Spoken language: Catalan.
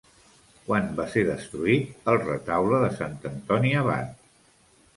Quan va ser destruït el Retaule de Sant Antoni Abat?